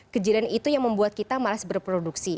kejadian itu yang membuat kita malas berproduksi